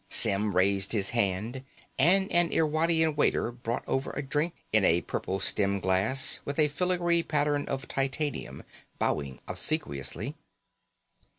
Symm raised his hand and an Irwadian waiter brought over a drink in a purple stem glass with a filigree pattern of titanium, bowing obsequiously.